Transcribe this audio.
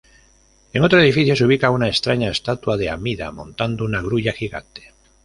En otro edificio, se ubica una extraña estatua de Amida montando una grulla gigante.